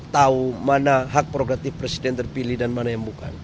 tahu mana hak progratif presiden terpilih dan mana yang bukan